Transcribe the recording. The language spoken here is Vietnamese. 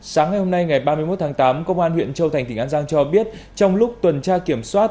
sáng ngày hôm nay ngày ba mươi một tháng tám công an huyện châu thành tỉnh an giang cho biết trong lúc tuần tra kiểm soát